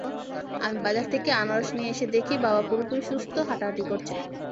আমি বাজার থেকে আনারস নিয়ে এসে দেখি বাবা পুরোপুরি সুস্থ, হাঁটাহাঁটি করছেন।